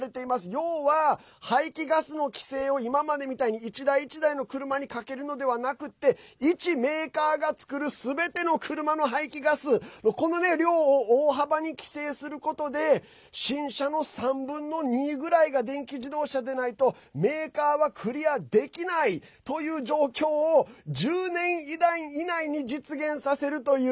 要は排気ガスの規制を今までみたいに１台１台の車にかけるのではなくて１メーカーが作るすべての車の排気ガスの量を大幅に規制することで新車の３分の２ぐらいが電気自動車でないとメーカーはクリアできないという状況を１０年以内に実現させるという。